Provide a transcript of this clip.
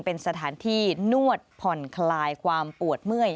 เป็นสถานที่นวดผ่อนคลายความปวดเมื่อย